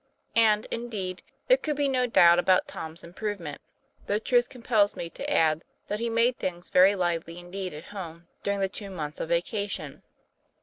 And, indeed, there could be no doubt about Tom's improvement, though truth compels me to add that he made things very lively indeed at home during the two months of vacation.